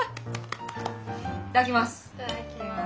いただきます。